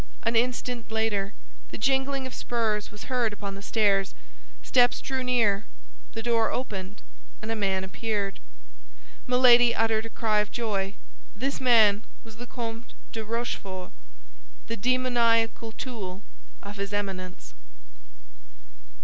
An instant later, the jingling of spurs was heard upon the stairs, steps drew near, the door opened, and a man appeared. Milady uttered a cry of joy; this man was the Comte de Rochefort—the demoniacal tool of his Eminence.